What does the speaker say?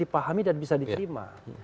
dipahami dan bisa diterima